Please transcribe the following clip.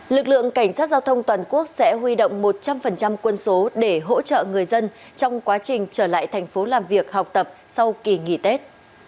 lực lượng cảnh sát giao thông toàn quốc sẽ huy động một trăm linh quân số để hỗ trợ người dân trong quá trình trở lại thành phố làm việc học tập sau kỳ nghỉ tết